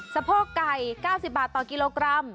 สะโพกไก่๙๐บาทต่อกิโลกรัม